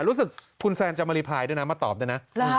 รู้สึกคุณแซนจะมารีพายด้วยนะมาตอบด้วยนะ